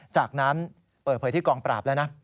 จากนั้นเปิดเผยที่กองปราบแล้วนะ